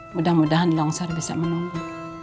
mudah mudahan longsor bisa menunggu